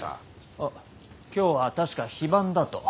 あっ今日は確か非番だと。